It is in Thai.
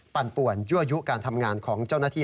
ป่วนยั่วยุการทำงานของเจ้าหน้าที่